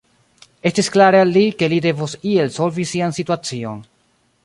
Estis klare al li, ke li devos iel solvi sian situacion.